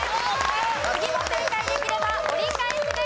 次も正解できれば折り返しです。